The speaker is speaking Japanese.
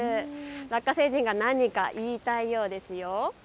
ラッカ星人が何か言いたいようですよ。